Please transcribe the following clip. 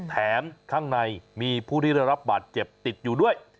ข้างในมีผู้ที่ได้รับบาดเจ็บติดอยู่ด้วย